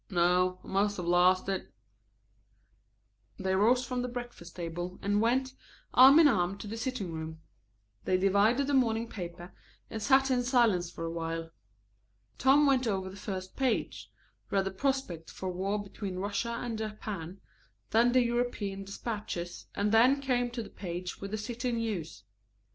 "No, I must have lost it." They rose from the breakfast table and went, arm in arm, to the sitting room. They divided the morning paper and sat in silence for a while. Tom went over the first page, read the prospects for war between Russia and Japan, then the European despatches, and then came to the page with the city news.